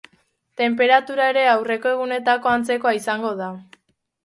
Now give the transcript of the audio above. Tenperatura ere, aurreko egunetako antzekoa izango da.